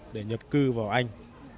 để nhập cư vào anh